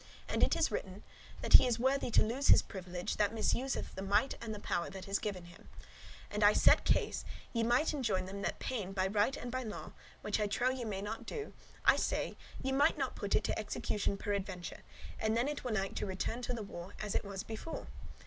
And it is written, that he is worthy to lose his privilege, that misuseth the might and the power that is given him. And I set case [if I assume] ye might enjoin them that pain by right and by law (which I trow ye may not do), I say, ye might not put it to execution peradventure, and then it were like to return to the war, as it was before.